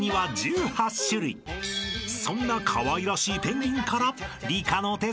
［そんなかわいらしいペンギンから］